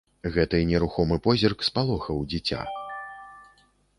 Гэты нерухомы позірк спалохаў дзіця.